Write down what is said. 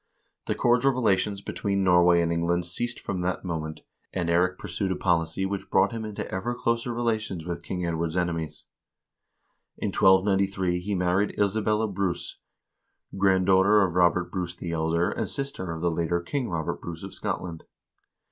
The cordial relations between Nor way and England ceased from that moment, and Eirik pursued a policy which brought him into ever closer relations with King Ed ward's enemies. In 1293 he married Isabella Bruce, granddaughter of Robert Bruce the Elder, and sister of the later King Robert Bruce of Scotland.